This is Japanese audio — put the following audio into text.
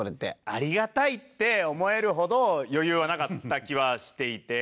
ありがたいって思えるほど余裕はなかった気はしていて。